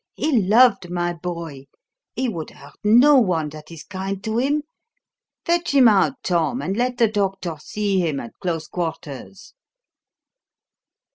He loved my boy. He would hurt no one that is kind to him. Fetch him out, Tom, and let the doctor see him at close quarters."